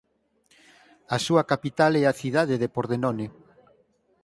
A súa capital é a cidade de Pordenone.